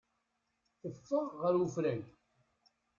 Teffeɣ ɣer ufrag.